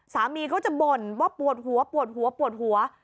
สามีก็จะบ่นว่าปวดหัวปวดหัวปวดหัว